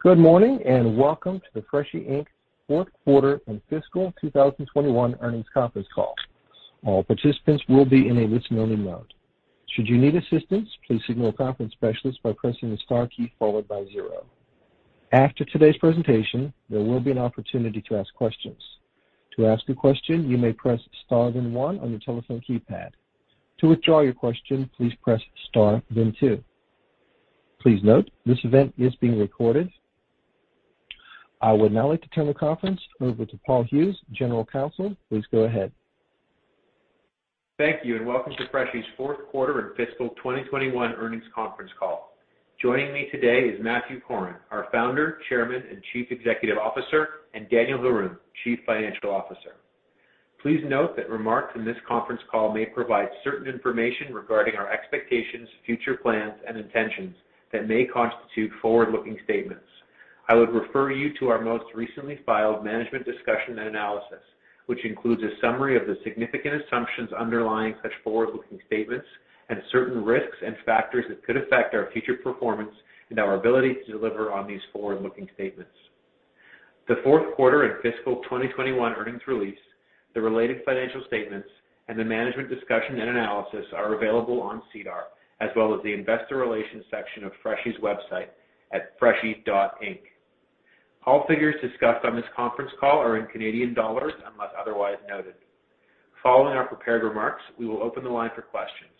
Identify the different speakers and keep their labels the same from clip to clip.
Speaker 1: Good morning, and welcome to the Freshii Inc.'s fourth quarter and fiscal 2021 earnings conference call. All participants will be in a listen-only mode. Should you need assistance, please signal a conference specialist by pressing the star key followed by zero. After today's presentation, there will be an opportunity to ask questions. To ask a question, you may press star then one on your telephone keypad. To withdraw your question, please press star then two. Please note, this event is being recorded. I would now like to turn the conference over to Paul Hughes, General Counsel. Please go ahead.
Speaker 2: Thank you, and welcome to Freshii's fourth quarter and fiscal 2021 earnings conference call. Joining me today is Matthew Corrin, our Founder, Chairman, and Chief Executive Officer, and Daniel Haroun, Chief Financial Officer. Please note that remarks in this conference call may provide certain information regarding our expectations, future plans, and intentions that may constitute forward-looking statements. I would refer you to our most recently filed management discussion and analysis, which includes a summary of the significant assumptions underlying such forward-looking statements and certain risks and factors that could affect our future performance and our ability to deliver on these forward-looking statements. The fourth quarter and fiscal 2021 earnings release, the related financial statements, and the management discussion and analysis are available on SEDAR, as well as the investor relations section of Freshii's website at freshii.inc. All figures discussed on this conference call are in Canadian dollars, unless otherwise noted. Following our prepared remarks, we will open the line for questions.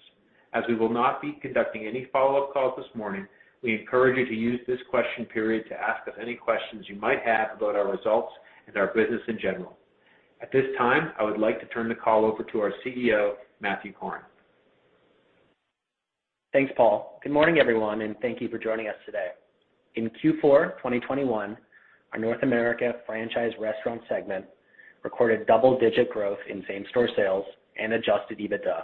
Speaker 2: As we will not be conducting any follow-up calls this morning, we encourage you to use this question period to ask us any questions you might have about our results and our business in general. At this time, I would like to turn the call over to our CEO, Matthew Corrin.
Speaker 3: Thanks, Paul. Good morning, everyone, and thank you for joining us today. In Q4 2021, our North America franchise restaurant segment recorded double-digit growth in same-store sales and adjusted EBITDA.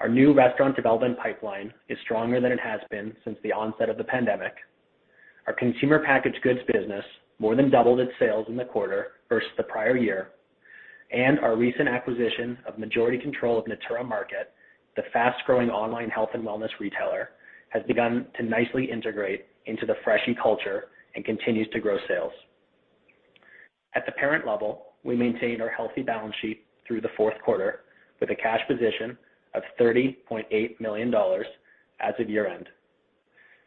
Speaker 3: Our new restaurant development pipeline is stronger than it has been since the onset of the pandemic. Our consumer packaged goods business more than doubled its sales in the quarter versus the prior year, and our recent acquisition of majority control of Natura Market, the fast-growing online health and wellness retailer, has begun to nicely integrate into the Freshii culture and continues to grow sales. At the parent level, we maintained our healthy balance sheet through the fourth quarter with a cash position of 30.8 million dollars as of year-end.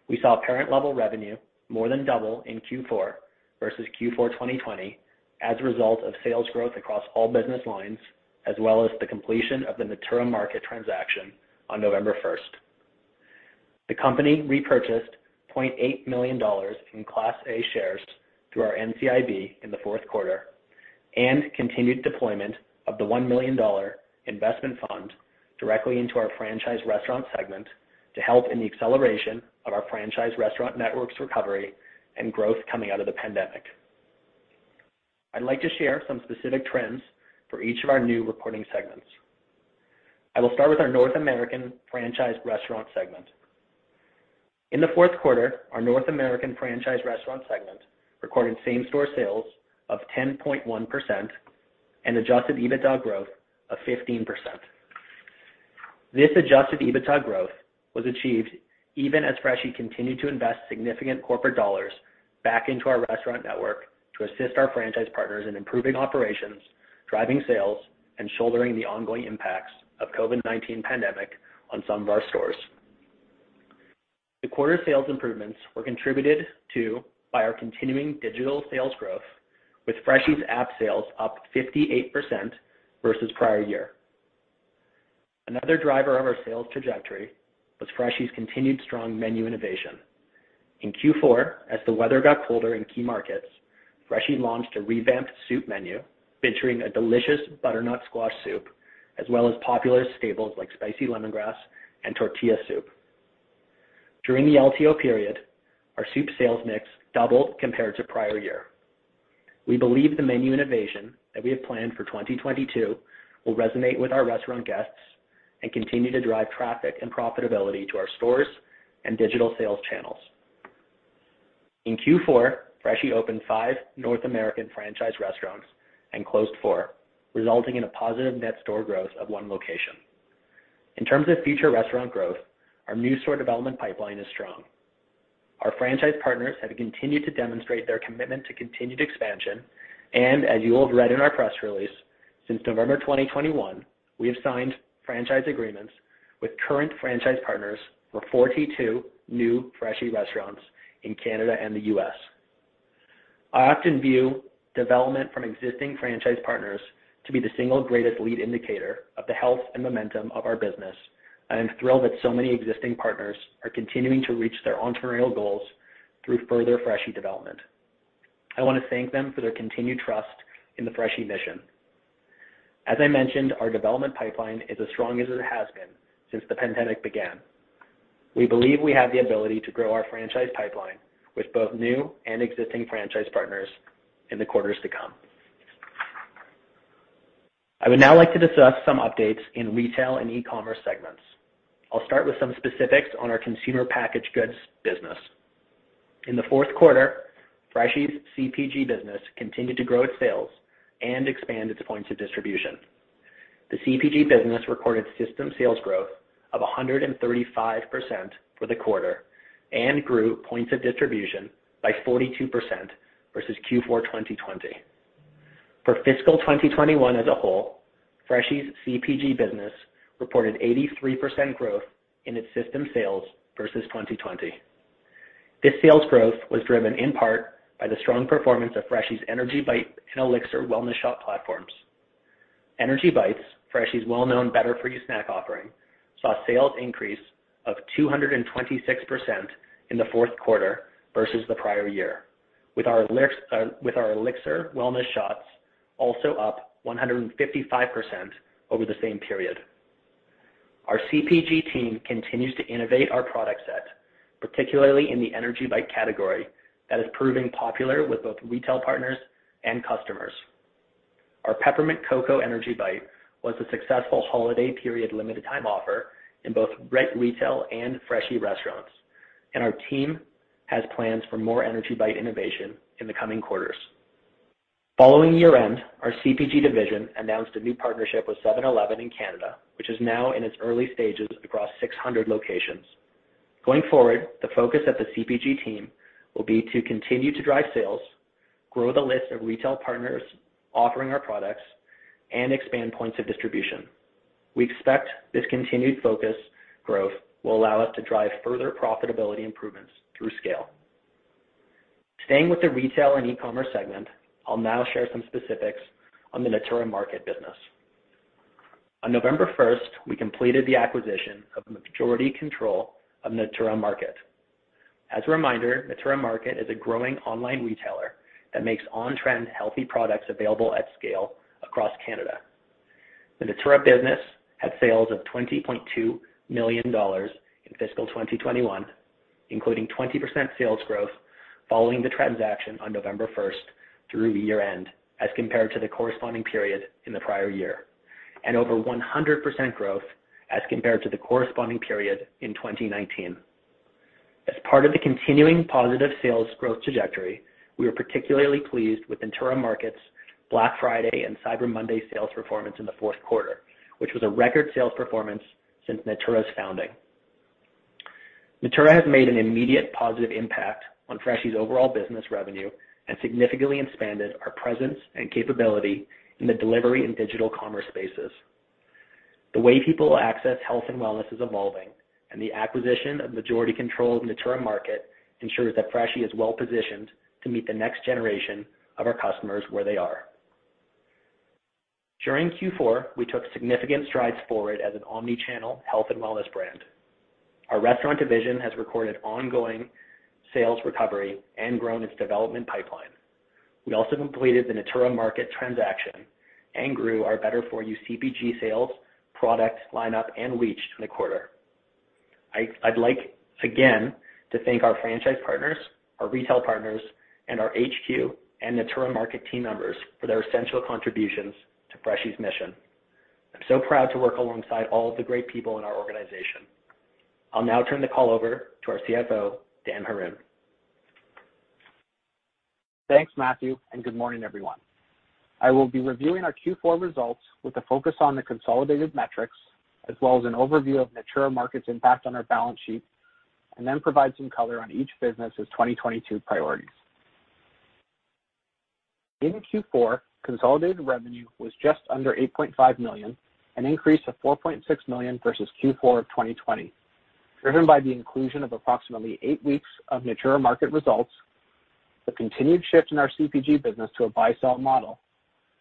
Speaker 3: We saw parent level revenue more than double in Q4 versus Q4 2020 as a result of sales growth across all business lines, as well as the completion of the Natura Market transaction on November 1. The company repurchased 0.8 million dollars in Class A shares through our NCIB in the fourth quarter and continued deployment of the 1 million dollar investment fund directly into our franchise restaurant segment to help in the acceleration of our franchise restaurant network's recovery and growth coming out of the pandemic. I'd like to share some specific trends for each of our new reporting segments. I will start with our North American franchise restaurant segment. In the fourth quarter, our North American franchise restaurant segment recorded same-store sales of 10.1% and adjusted EBITDA growth of 15%. This adjusted EBITDA growth was achieved even as Freshii continued to invest significant corporate dollars back into our restaurant network to assist our franchise partners in improving operations, driving sales, and shouldering the ongoing impacts of COVID-19 pandemic on some of our stores. The quarter sales improvements were contributed to by our continuing digital sales growth with Freshii's app sales up 58% versus prior year. Another driver of our sales trajectory was Freshii's continued strong menu innovation. In Q4, as the weather got colder in key markets, Freshii launched a revamped soup menu featuring a delicious butternut squash soup as well as popular staples like spicy lemongrass and tortilla soup. During the LTO period, our soup sales mix doubled compared to prior year. We believe the menu innovation that we have planned for 2022 will resonate with our restaurant guests and continue to drive traffic and profitability to our stores and digital sales channels. In Q4, Freshii opened five North American franchise restaurants and closed four, resulting in a positive net store growth of one location. In terms of future restaurant growth, our new store development pipeline is strong. Our franchise partners have continued to demonstrate their commitment to continued expansion. As you will have read in our press release, since November 2021, we have signed franchise agreements with current franchise partners for 42 new Freshii restaurants in Canada and the U.S. I often view development from existing franchise partners to be the single greatest lead indicator of the health and momentum of our business. I am thrilled that so many existing partners are continuing to reach their entrepreneurial goals through further Freshii development. I want to thank them for their continued trust in the Freshii mission. As I mentioned, our development pipeline is as strong as it has been since the pandemic began. We believe we have the ability to grow our franchise pipeline with both new and existing franchise partners in the quarters to come. I would now like to discuss some updates in retail and e-commerce segments. I'll start with some specifics on our consumer packaged goods business. In the fourth quarter, Freshii's CPG business continued to grow its sales and expand its points of distribution. The CPG business recorded system sales growth of 135% for the quarter and grew points of distribution by 42% versus Q4 2020. For fiscal 2021 as a whole, Freshii's CPG business reported 83% growth in its system sales versus 2020. This sales growth was driven in part by the strong performance of Freshii's Energii Bites and Elixir wellness shot platforms. Energii Bites, Freshii's well-known Better For You snack offering, saw sales increase of 226% in the fourth quarter versus the prior year, with our Elixir wellness shots also up 155% over the same period. Our CPG team continues to innovate our product set, particularly in the Energii Bites category, that is proving popular with both retail partners and customers. Our Peppermint Cocoa Energii Bites was a successful holiday period limited time offer in both retail and Freshii restaurants, and our team has plans for more Energii Bites innovation in the coming quarters. Following year-end, our CPG division announced a new partnership with 7-Eleven in Canada, which is now in its early stages across 600 locations. Going forward, the focus of the CPG team will be to continue to drive sales, grow the list of retail partners offering our products, and expand points of distribution. We expect this continued focus growth will allow us to drive further profitability improvements through scale. Staying with the retail and e-commerce segment, I'll now share some specifics on the Natura Market business. On November 1st, we completed the acquisition of majority control of Natura Market. As a reminder, Natura Market is a growing online retailer that makes on-trend healthy products available at scale across Canada. The Natura Market business had sales of 20.2 million dollars in fiscal 2021, including 20% sales growth following the transaction on November 1st through the year-end, as compared to the corresponding period in the prior year, and over 100% growth as compared to the corresponding period in 2019. As part of the continuing positive sales growth trajectory, we are particularly pleased with Natura Market's Black Friday and Cyber Monday sales performance in the fourth quarter, which was a record sales performance since Natura Market's founding. Natura Market has made an immediate positive impact on Freshii's overall business revenue and significantly expanded our presence and capability in the delivery and digital commerce spaces. The way people access health and wellness is evolving, and the acquisition of majority control of Natura Market ensures that Freshii is well-positioned to meet the next generation of our customers where they are. During Q4, we took significant strides forward as an omni-channel health and wellness brand. Our restaurant division has recorded ongoing sales recovery and grown its development pipeline. We also completed the Natura Market transaction and grew our Better For You CPG sales, product lineup, and reach in the quarter. I'd like again to thank our franchise partners, our retail partners, and our HQ and Natura Market team members for their essential contributions to Freshii's mission. I'm so proud to work alongside all of the great people in our organization. I'll now turn the call over to our CFO, Daniel Haroun.
Speaker 4: Thanks, Matthew, and good morning, everyone. I will be reviewing our Q4 results with a focus on the consolidated metrics as well as an overview of Natura Market's impact on our balance sheet and then provide some color on each business's 2022 priorities. In Q4, consolidated revenue was just under 8.5 million, an increase of 4.6 million versus Q4 of 2020, driven by the inclusion of approximately eight weeks of Natura Market results, the continued shift in our CPG business to a buy/sell model,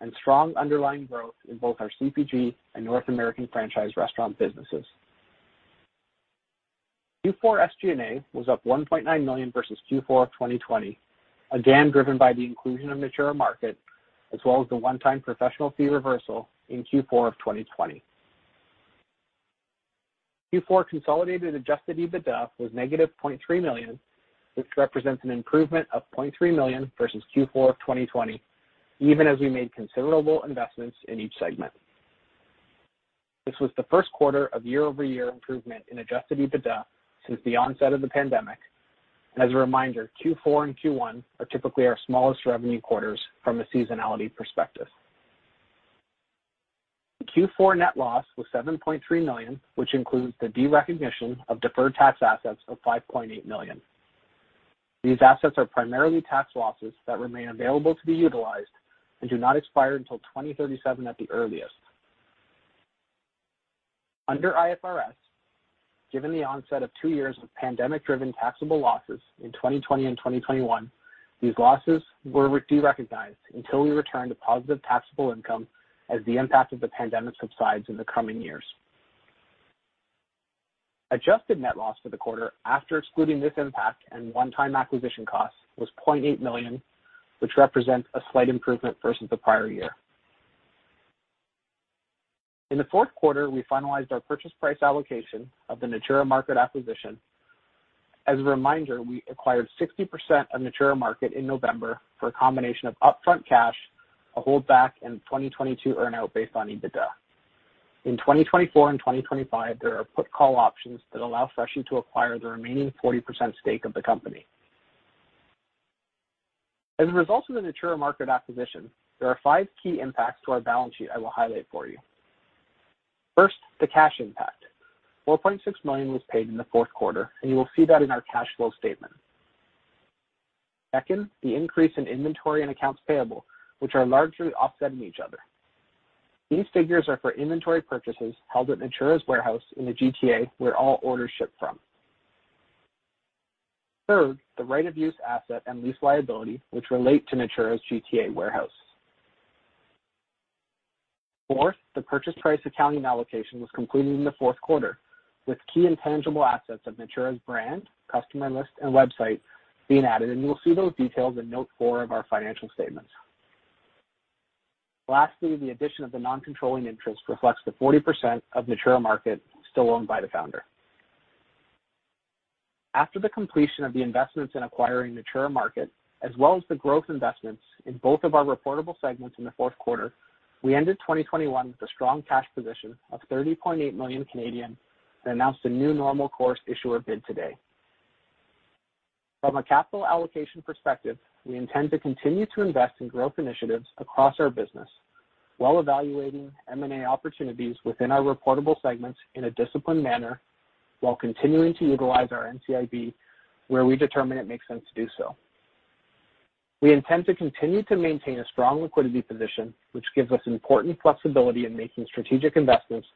Speaker 4: and strong underlying growth in both our CPG and North American franchise restaurant businesses. Q4 SG&A was up 1.9 million versus Q4 of 2020, again driven by the inclusion of Natura Market as well as the one-time professional fee reversal in Q4 of 2020. Q4 consolidated adjusted EBITDA was -0.3 million, which represents an improvement of 0.3 million versus Q4 of 2020, even as we made considerable investments in each segment. This was the first quarter of year-over-year improvement in adjusted EBITDA since the onset of the pandemic. As a reminder, Q4 and Q1 are typically our smallest revenue quarters from a seasonality perspective. Q4 net loss was 7.3 million, which includes the derecognition of deferred tax assets of 5.8 million. These assets are primarily tax losses that remain available to be utilized and do not expire until 2037 at the earliest. Under IFRS, given the onset of two years of pandemic-driven taxable losses in 2020 and 2021, these losses were derecognized until we return to positive taxable income as the impact of the pandemic subsides in the coming years. Adjusted net loss for the quarter, after excluding this impact and one-time acquisition costs, was 0.8 million, which represents a slight improvement versus the prior year. In the fourth quarter, we finalized our purchase price allocation of the Natura Market acquisition. As a reminder, we acquired 60% of Natura Market in November for a combination of upfront cash, a holdback, and 2022 earn-out based on EBITDA. In 2024 and 2025, there are put call options that allow Freshii to acquire the remaining 40% stake of the company. As a result of the Natura Market acquisition, there are five key impacts to our balance sheet I will highlight for you. First, the cash impact. 4.6 million was paid in the fourth quarter, and you will see that in our cash flow statement. Second, the increase in inventory and accounts payable, which are largely offsetting each other. These figures are for inventory purchases held at Natura's warehouse in the GTA, where all orders ship from. Third, the right of use asset and lease liability, which relate to Natura's GTA warehouse. Fourth, the purchase price accounting allocation was completed in the fourth quarter, with key intangible assets of Natura's brand, customer list, and website being added, and you will see those details in note four of our financial statements. Lastly, the addition of the non-controlling interest reflects the 40% of Natura Market still owned by the founder. After the completion of the investments in acquiring Natura Market, as well as the growth investments in both of our reportable segments in the fourth quarter, we ended 2021 with a strong cash position of 30.8 million and announced a new normal course issuer bid today. From a capital allocation perspective, we intend to continue to invest in growth initiatives across our business while evaluating M&A opportunities within our reportable segments in a disciplined manner while continuing to utilize our NCIB where we determine it makes sense to do so. We intend to continue to maintain a strong liquidity position, which gives us important flexibility in making strategic investments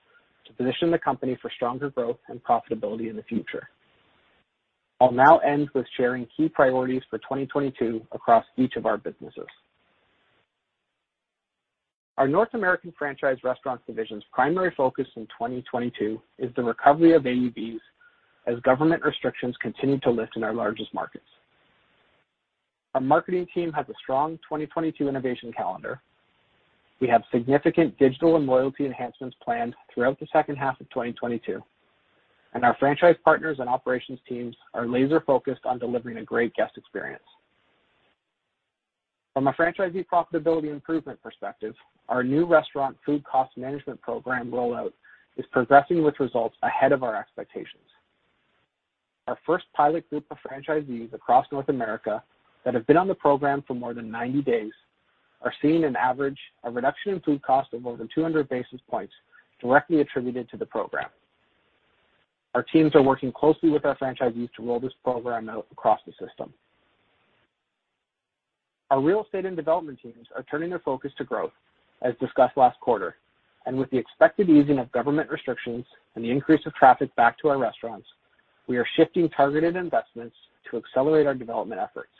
Speaker 4: to position the company for stronger growth and profitability in the future. I'll now end with sharing key priorities for 2022 across each of our businesses. Our North American Franchise Restaurants division's primary focus in 2022 is the recovery of AUVs as government restrictions continue to lift in our largest markets. Our marketing team has a strong 2022 innovation calendar. We have significant digital and loyalty enhancements planned throughout the second half of 2022, and our franchise partners and operations teams are laser focused on delivering a great guest experience. From a franchisee profitability improvement perspective, our new restaurant food cost management program rollout is progressing with results ahead of our expectations. Our first pilot group of franchisees across North America that have been on the program for more than 90 days are seeing an average reduction in food cost of more than 200 basis points directly attributed to the program. Our teams are working closely with our franchisees to roll this program out across the system. Our real estate and development teams are turning their focus to growth, as discussed last quarter. With the expected easing of government restrictions and the increase of traffic back to our restaurants, we are shifting targeted investments to accelerate our development efforts,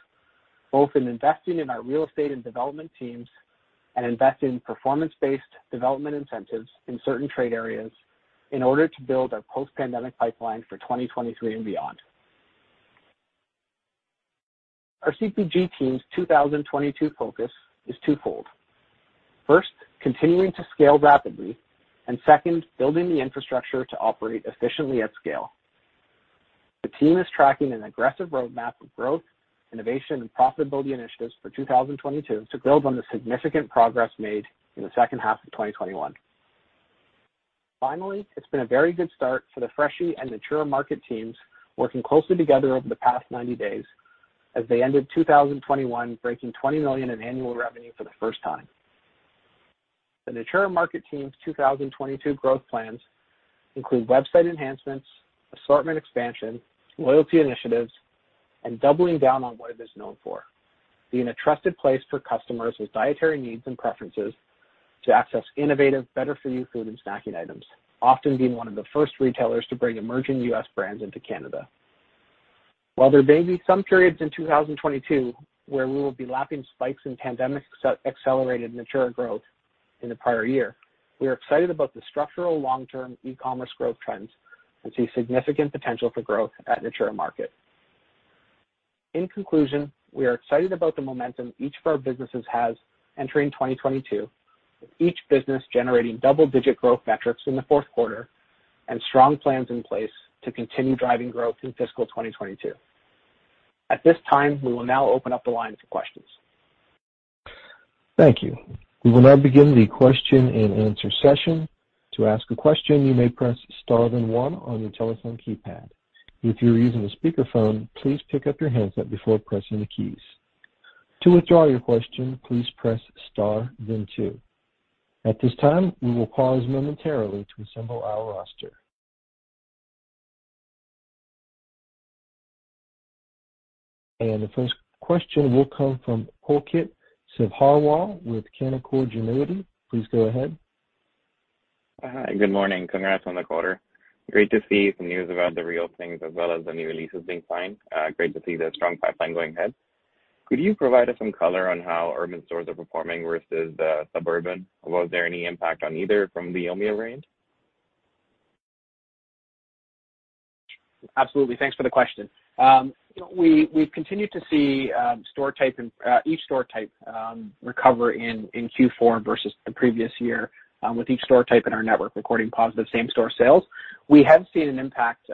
Speaker 4: both in investing in our real estate and development teams and investing in performance-based development incentives in certain trade areas in order to build our post-pandemic pipeline for 2023 and beyond. Our CPG team's 2022 focus is twofold. First, continuing to scale rapidly, and second, building the infrastructure to operate efficiently at scale. The team is tracking an aggressive roadmap of growth, innovation, and profitability initiatives for 2022 to build on the significant progress made in the second half of 2021. Finally, it's been a very good start for the Freshii and Natura Market teams working closely together over the past 90 days as they ended 2021 breaking 20 million in annual revenue for the first time. The Natura Market team's 2022 growth plans include website enhancements, assortment expansion, loyalty initiatives, and doubling down on what it is known for, being a trusted place for customers with dietary needs and preferences to access innovative, better-for-you food and snacking items, often being one of the first retailers to bring emerging US brands into Canada. While there may be some periods in 2022 where we will be lapping spikes in pandemic accelerated Natura growth in the prior year, we are excited about the structural long-term e-commerce growth trends and see significant potential for growth at Natura Market. In conclusion, we are excited about the momentum each of our businesses has entering 2022, with each business generating double-digit growth metrics in the fourth quarter and strong plans in place to continue driving growth in fiscal 2022. At this time, we will now open up the line for questions.
Speaker 1: Thank you. We will now begin the question and answer session. To ask a question, you may press star then one on your telephone keypad. If you are using a speakerphone, please pick up your handset before pressing the keys. To withdraw your question, please press star then two. At this time, we will pause momentarily to assemble our roster. The first question will come from Pulkit Sabharwal with Canaccord Genuity. Please go ahead.
Speaker 5: Hi. Good morning. Congrats on the quarter. Great to see some news about the real estate as well as the new leases being signed. Great to see the strong pipeline going ahead. Could you provide us some color on how urban stores are performing versus the suburban? Was there any impact on either from the Omicron variant?
Speaker 4: Absolutely. Thanks for the question. We've continued to see each store type recover in Q4 versus the previous year with each store type in our network recording positive same store sales. We have seen an impact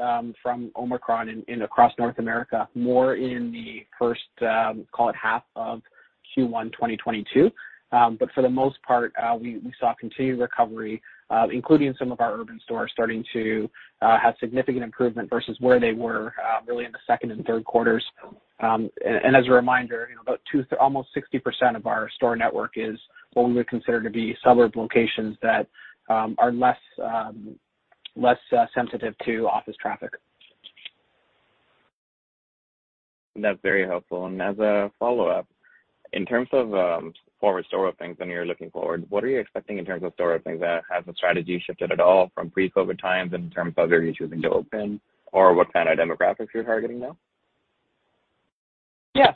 Speaker 4: from Omicron across North America, more in the first, call it half of Q1 2022. For the most part, we saw continued recovery, including some of our urban stores starting to have significant improvement versus where they were really in the second and third quarters. As a reminder, you know, almost 60% of our store network is what we would consider to be suburban locations that are less sensitive to office traffic.
Speaker 5: That's very helpful. As a follow-up, in terms of forward store openings when you're looking forward, what are you expecting in terms of store openings? Has the strategy shifted at all from pre-COVID times in terms of where you're choosing to open or what kind of demographics you're targeting now?
Speaker 4: Yeah.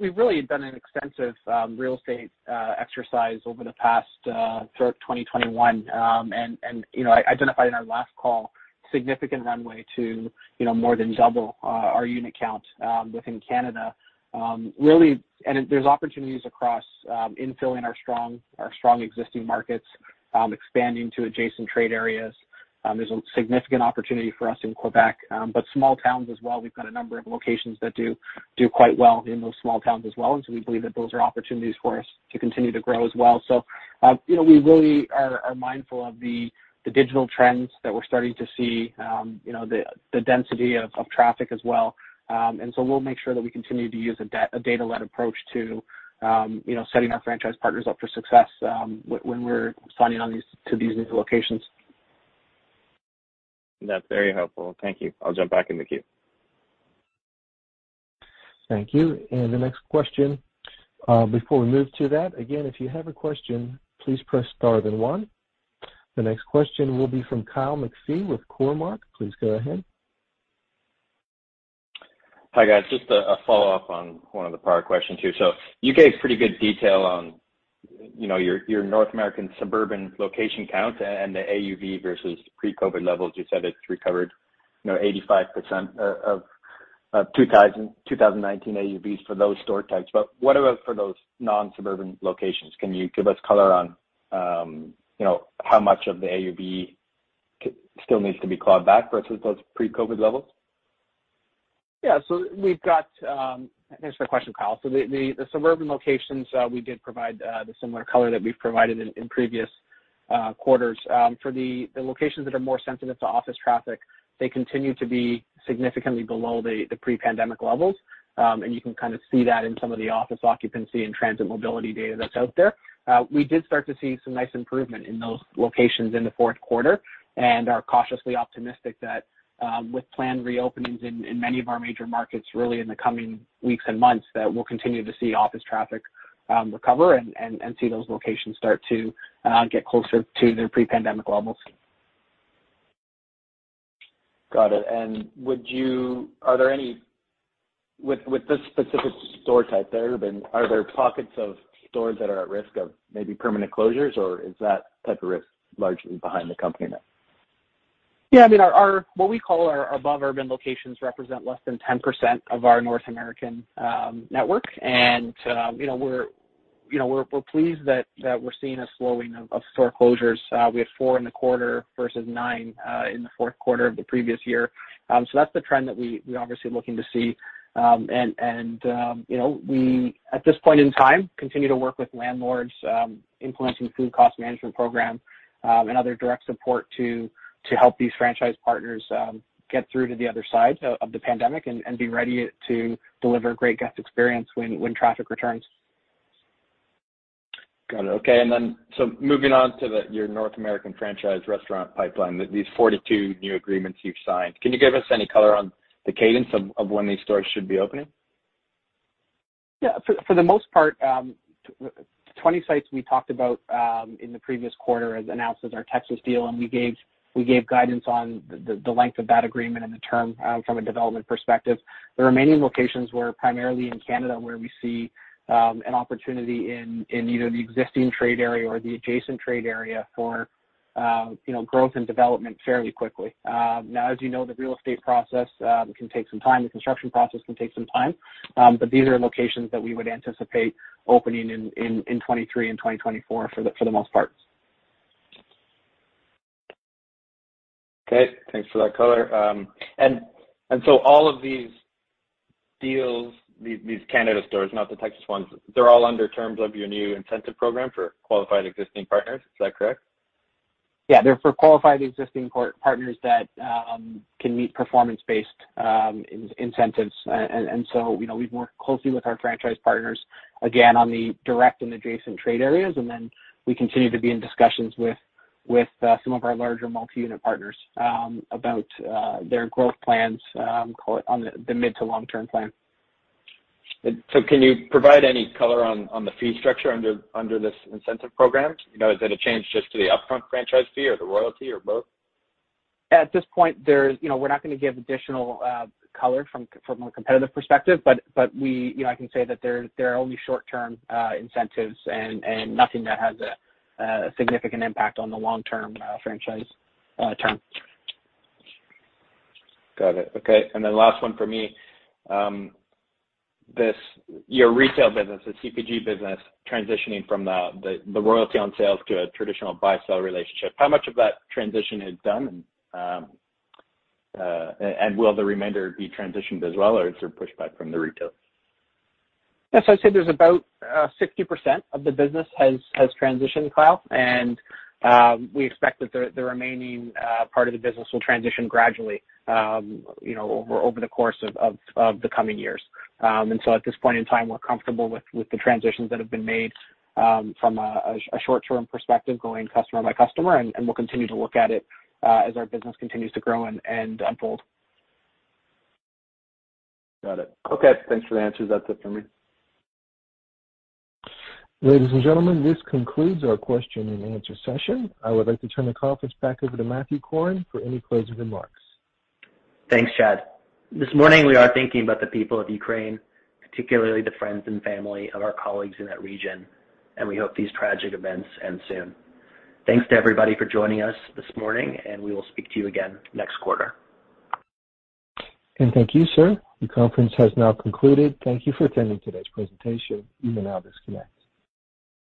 Speaker 4: We really had done an extensive real estate exercise over the past throughout 2021. You know, I identified in our last call significant runway to, you know, more than double our unit count within Canada. Really, there's opportunities across infilling our strong existing markets, expanding to adjacent trade areas. There's a significant opportunity for us in Quebec, but small towns as well. We've got a number of locations that do quite well in those small towns as well, and we believe that those are opportunities for us to continue to grow as well. You know, we really are mindful of the digital trends that we're starting to see, you know, the density of traffic as well. We'll make sure that we continue to use a data-led approach to, you know, setting our franchise partners up for success, when we're signing on to these new locations.
Speaker 5: That's very helpful. Thank you. I'll jump back in the queue.
Speaker 1: Thank you. The next question, before we move to that, again, if you have a question, please press star then one. The next question will be from Kyle McPhee with Cormark. Please go ahead.
Speaker 6: Hi, guys. Just a follow-up on one of the prior questions here. You gave pretty good detail on, you know, your North American suburban location count and the AUV versus pre-COVID levels. You said it's recovered, you know, 85% of 2019 AUVs for those store types. What about for those non-suburban locations? Can you give us color on, you know, how much of the AUV still needs to be clawed back versus those pre-COVID levels?
Speaker 4: Thanks for the question, Kyle. The suburban locations, we did provide the similar color that we've provided in previous quarters. For the locations that are more sensitive to office traffic, they continue to be significantly below the pre-pandemic levels. You can kind of see that in some of the office occupancy and transit mobility data that's out there. We did start to see some nice improvement in those locations in the fourth quarter and are cautiously optimistic that, with planned reopenings in many of our major markets really in the coming weeks and months, that we'll continue to see office traffic recover and see those locations start to get closer to their pre-pandemic levels.
Speaker 6: Got it. With this specific store type, the urban, are there pockets of stores that are at risk of maybe permanent closures, or is that type of risk largely behind the company now?
Speaker 4: Yeah. I mean, our what we call our above urban locations represent less than 10% of our North American network. You know, we're pleased that we're seeing a slowing of store closures. We had four in the quarter versus nine in the fourth quarter of the previous year. So that's the trend that we're obviously looking to see. You know, we at this point in time continue to work with landlords, influencing food cost management program and other direct support to help these franchise partners get through to the other side of the pandemic and be ready to deliver great guest experience when traffic returns.
Speaker 6: Got it. Okay. Moving on to your North American franchise restaurant pipeline, these 42 new agreements you've signed. Can you give us any color on the cadence of when these stores should be opening?
Speaker 4: Yeah. For the most part, 20 sites we talked about in the previous quarter as announced as our Texas deal, and we gave guidance on the length of that agreement and the term from a development perspective. The remaining locations were primarily in Canada, where we see an opportunity in either the existing trade area or the adjacent trade area for you know, growth and development fairly quickly. Now as you know, the real estate process can take some time. The construction process can take some time. These are locations that we would anticipate opening in 2023 and 2024 for the most part.
Speaker 6: Okay, thanks for that color. These Canada stores, not the Texas ones, they're all under terms of your new incentive program for qualified existing partners. Is that correct?
Speaker 4: Yeah. They're for qualified existing partners that can meet performance-based incentives. You know, we've worked closely with our franchise partners, again, on the direct and adjacent trade areas, and then we continue to be in discussions with some of our larger multi-unit partners about their growth plans, call it on the mid to long-term plan.
Speaker 6: Can you provide any color on the fee structure under this incentive program? You know, is it a change just to the upfront franchise fee or the royalty or both?
Speaker 4: At this point, you know, we're not gonna give additional color from a competitive perspective, but you know, I can say that there are only short-term incentives and nothing that has a significant impact on the long-term franchise term.
Speaker 6: Got it. Okay. Last one for me. Your retail business, the CPG business, transitioning from the royalty on sales to a traditional buy-sell relationship, how much of that transition is done? Will the remainder be transitioned as well, or is there pushback from the retailers?
Speaker 4: Yes. I'd say there's about 60% of the business has transitioned, Kyle, and we expect that the remaining part of the business will transition gradually, you know, over the course of the coming years. At this point in time, we're comfortable with the transitions that have been made, from a short-term perspective, going customer by customer, and we'll continue to look at it as our business continues to grow and unfold.
Speaker 6: Got it. Okay, thanks for the answers. That's it for me.
Speaker 1: Ladies and gentlemen, this concludes our question and answer session. I would like to turn the conference back over to Matthew Corrin for any closing remarks.
Speaker 3: Thanks, Chad. This morning we are thinking about the people of Ukraine, particularly the friends and family of our colleagues in that region, and we hope these tragic events end soon. Thanks to everybody for joining us this morning, and we will speak to you again next quarter.
Speaker 1: Thank you, sir. The conference has now concluded. Thank you for attending today's presentation. You may now disconnect.